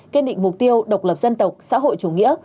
kiên định mục tiêu độc lập dân tộc xã hội chủ nghĩa